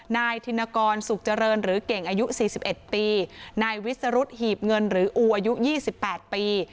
นายธินกรสุขเจริญหรือเก่งอายุสี่สิบเอ็ดปีนายวิสรุธหีบเงินหรืออูอายุยี่สิบแปดปี